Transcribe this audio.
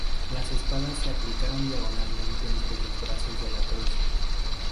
Las espadas se aplicaron diagonalmente entre los brazos de la cruz.